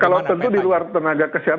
kalau tentu di luar tenaga kesehatan